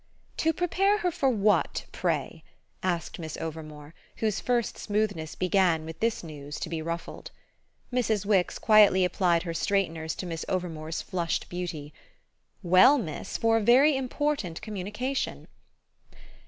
"To prepare her for what, pray?" asked Miss Overmore, whose first smoothness began, with this news, to be ruffled. Mrs. Wix quietly applied her straighteners to Miss Overmore's flushed beauty. "Well, miss, for a very important communication."